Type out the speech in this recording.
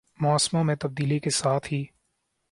موسموں میں تبدیلی کے ساتھ ہی